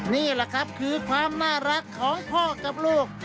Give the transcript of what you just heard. นี่แหละครับคือความน่ารักของพ่อกับลูก